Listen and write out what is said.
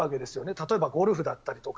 例えばゴルフだったりとか。